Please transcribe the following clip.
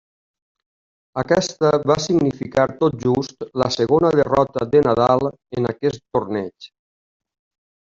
Aquesta va significar tot just la segona derrota de Nadal en aquest torneig.